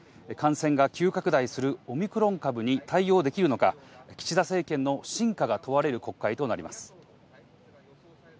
感染が急拡大するオミクロン株に対応できるのか、岸田政権の真価が問われる国会となります。